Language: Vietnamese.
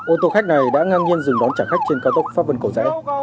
ô tô khách này đã ngang nhiên dừng đón trả khách trên cao tốc pháp vân cổ dẽ